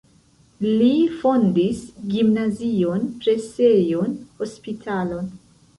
Li fondis gimnazion, presejon, hospitalon.